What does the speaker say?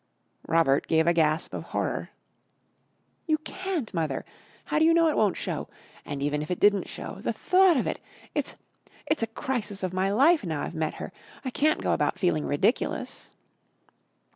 Robert gave a gasp of horror. "You can't, Mother. How do you know it won't show? And even if it didn't show, the thought of it ! It's it's a crisis of my life now I've met her. I can't go about feeling ridiculous."